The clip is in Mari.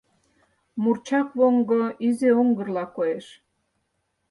Мурчаквоҥго изи оҥгырла коеш.